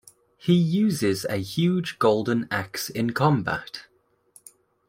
He uses a huge golden axe in combat.